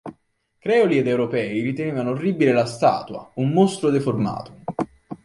Creoli ed europei ritenevano orribile la statua, un mostro deformato.